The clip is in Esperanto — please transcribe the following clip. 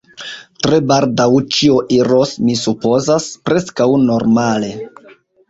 tre baldaŭ ĉio iros, mi supozas, preskaŭ normale.